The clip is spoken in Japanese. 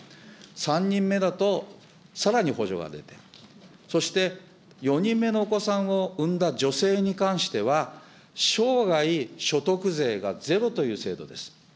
３人目だとさらに補助が出て、そして４人目のお子さんを産んだ女性に関しては、生涯所得税がゼロという制度です。